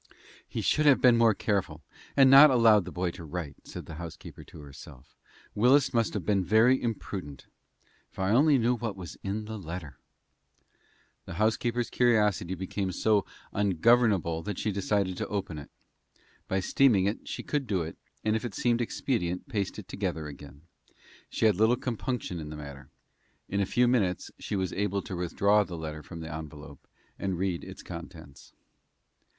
"He should have been more careful, and not allowed the boy to write," said the housekeeper to herself. "Willis must have been very imprudent. If I only knew what was in the letter!" The housekeeper's curiosity became so ungovernable that she decided to open it. By steaming it, she could do it, and if it seemed expedient, paste it together again. She had little compunction in the matter. In a few minutes she was able to withdraw the letter from the envelope and read its contents.